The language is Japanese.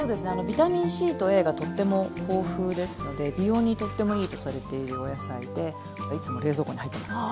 ビタミンＣとＡがとっても豊富ですので美容にとってもいいとされているお野菜でいつも冷蔵庫に入ってます。